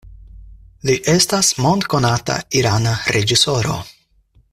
Li estas mondkonata irana reĝisoro.